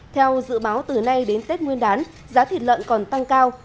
theo dự báo từ nay đến tết nguyên đán giá thịt lợn còn tăng cao